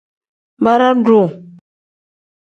Bara-duu.